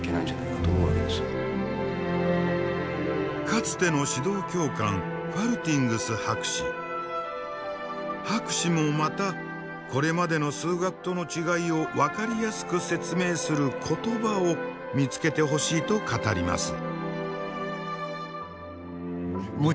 かつての指導教官博士もまたこれまでの数学との違いを分かりやすく説明する言葉を見つけてほしいと語ります。